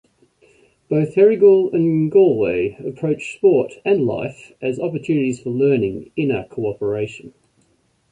Both Herrigel and Gallwey approach sport and life as opportunities for learning inner cooperation.